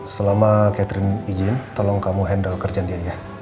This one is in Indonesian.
selama catherine izin tolong kamu handle kerjaan dia ya